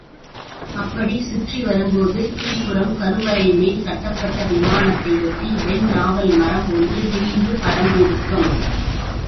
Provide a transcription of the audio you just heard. அப்படிச் சுற்றி வரும்போது கீழ்ப்புறம் கருவறை மேல் கட்டப்பட்ட விமானத்தை ஒட்டி வெண்நாவல் மரம் ஒன்று விரிந்து பரந்திருக்கும்.